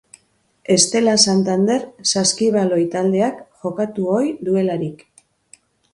Estela Santander saskibaloi taldeak jokatu ohi duelarik.